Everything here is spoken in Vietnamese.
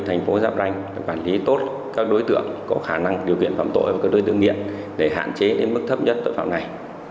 thành phố giáp ranh quản lý tốt các đối tượng có khả năng điều kiện phạm tội và các đối tượng nghiện để hạn chế đến mức thấp nhất tội phạm này